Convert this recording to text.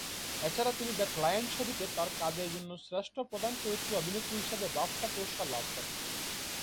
এছাড়া তিনি "the client" ছবিতে তার কাজের জন্য শ্রেষ্ঠ প্রধান চরিত্রে অভিনেত্রী বিভাগে বাফটা পুরস্কার লাভ করেন।